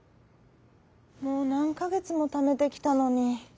もうなんかげつもためてきたのに。